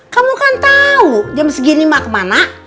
kamu kan tahu jam segini mak kemana